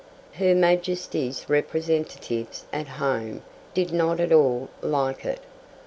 Her Majesty's representatives at Home did not at all like it.